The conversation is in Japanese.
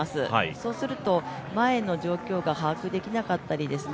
そうすると前の状況が把握できなかったりですね